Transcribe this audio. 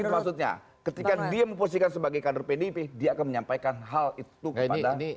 maksudnya ketika dia memposisikan sebagai kader pdip dia akan menyampaikan hal itu kepada